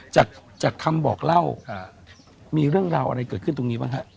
จากคำบอกเล่ามีเรื่องราวอะไรเกิดขึ้นตรงนี้บ้างฮะ